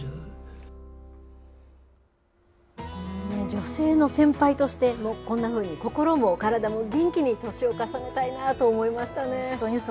女性の先輩として、こんなふうに心も体も元気に年を重ねたいなと思いましたね。